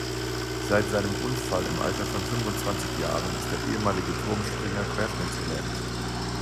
Seit seinem Unfall im Alter von fünfundzwanzig Jahren ist der ehemalige Turmspringer querschnittsgelähmt.